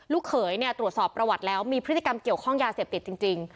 เขยเนี่ยตรวจสอบประวัติแล้วมีพฤติกรรมเกี่ยวข้องยาเสพติดจริง